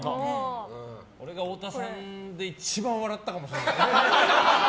これが太田さんで一番笑ったかもしれない。